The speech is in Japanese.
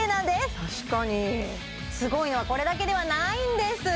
確かにすごいのはこれだけではないんです